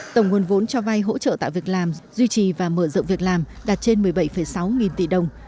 tổng nguồn vốn cho vay hỗ trợ tạo việc làm duy trì và mở rộng việc làm đạt trên một mươi bảy sáu nghìn tỷ đồng